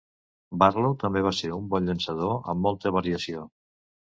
Barlow també va ser un bon llançador amb molta variació.